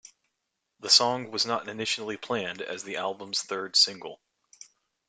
The song was not initially planned as the album's third single.